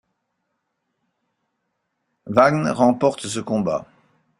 Vagn remporte ce combat.